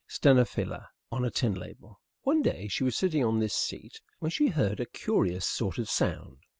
stenophylla_ on a tin label. One day she was sitting on this seat when she heard a curious sort of sound.